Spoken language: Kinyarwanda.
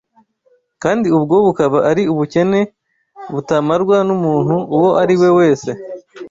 kandi ubwo bukaba ari ubukene butamarwa n’umuntu uwo ari we wese